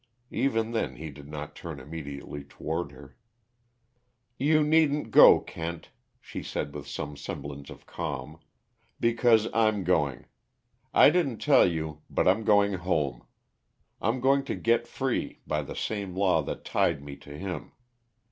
Even then, he did not turn immediately toward her. "You needn't go, Kent," she said with some semblance of calm. "Because I'm going. I didn't tell you but I'm going home. I'm going to get free, by the same law that tied me to him.